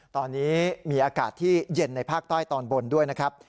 ตอนนี้มีอากาศที่เย็นในภาคใต้ตอนบนด้วยนะครับ